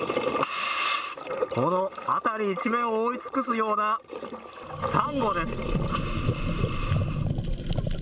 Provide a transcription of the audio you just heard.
この辺り一面を覆い尽くすようなサンゴです。